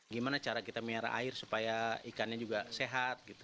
gimana cara kita meyara air supaya ikannya juga sehat gitu